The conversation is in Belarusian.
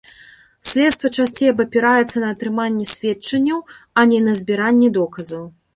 Следства часцей абапіраецца на атрыманне сведчанняў, а не на збіранне доказаў.